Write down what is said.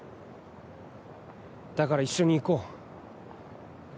だから一緒に行こう。